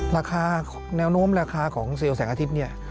ราคาแนวโน้มราคาของเซลล์แสงอาทิตย์เนี่ย